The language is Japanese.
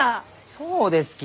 そうですき！